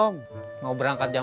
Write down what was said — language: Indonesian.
kamu udah berangkat jualan